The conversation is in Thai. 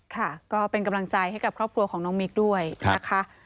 ค่ะก็เป็นกำลังใจให้กับครอบครัวของน้องมิ๊กด้วยนะคะ